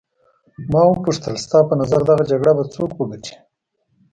ما وپوښتل ستا په نظر دغه جګړه به څوک وګټي.